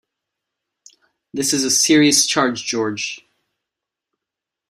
This is a serious charge, George.